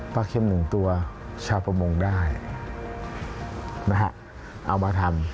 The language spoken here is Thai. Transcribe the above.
เค็มหนึ่งตัวชาวประมงได้นะฮะเอามาทำ